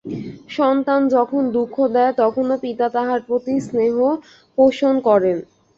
সন্তান যখন দুঃখ দেয়, তখনও পিতা তাহার প্রতি স্নেহ পোষণ করেন।